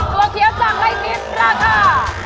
ธัวเขียวจากไร่ทิศราคา